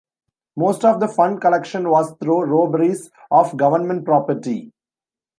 Most of the fund collection was through robberies of government property.